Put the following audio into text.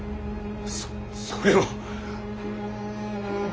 そそれは。